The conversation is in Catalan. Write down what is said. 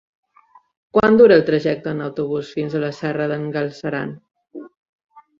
Quant dura el trajecte en autobús fins a la Serra d'en Galceran?